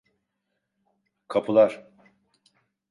Kapılar!